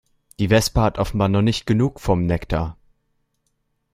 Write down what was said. Die Wespe hat offenbar noch nicht genug vom Nektar.